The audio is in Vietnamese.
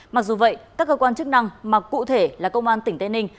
mặc dù vậy các cơ quan chức năng mà cụ thể là công an tỉnh tây ninh